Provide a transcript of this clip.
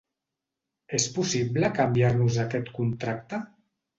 És possible canviar-nos a aquest contracte?